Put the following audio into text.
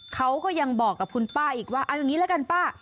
เขาก็ยังบอกกับคุณป้าอีกว่าเอาอย่างนี้ละกันป้า